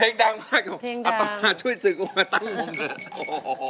เพลงดังมากกแล้วต้องช่วยสึกออกมาตั้งวงเลย